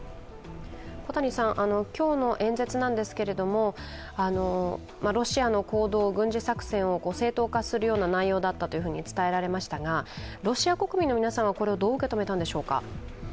今日の演説なんですけれども、ロシアの行動、軍事作戦を正当化するような内容だったと伝えられましたが、ロシア国民の皆さんは、これをどう受け止めたんでしょうか。